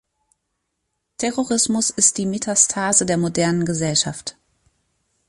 Terrorismus ist die Metastase der modernen Gesellschaft.